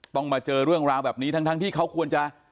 มาเจอเรื่องราวแบบนี้ทั้งที่เขาควรจะ